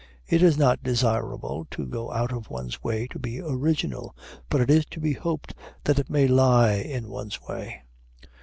It is not desirable to go out of one's way to be original, but it is to be hoped that it may lie in one's way.